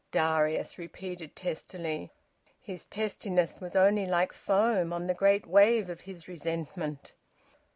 Darius repeated testily. His testiness was only like foam on the great wave of his resentment.